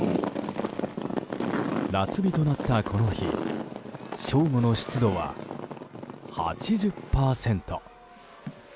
夏日となった、この日正午の湿度は８０％。